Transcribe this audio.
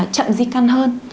chậm di căn hơn